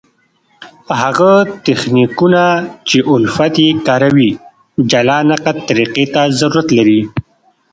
هغه تخنیکونه، چي الفت ئې کاروي جلا نقد طریقي ته ضرورت لري.